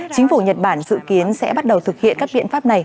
chính phủ nhật bản dự kiến sẽ bắt đầu thực hiện các biện pháp này